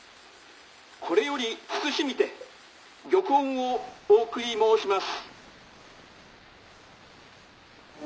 これより謹みて玉音をお送り申します」。